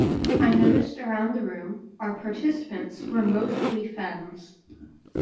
I noticed around the room our participants were mostly femmes.